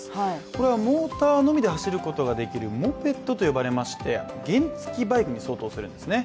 これはモーターのみで走ることができるモペットて呼ばれまして原付バイクに相当するんですね。